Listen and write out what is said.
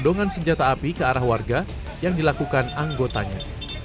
dengan senjata api ke arah warga yang dilakukan anggotanya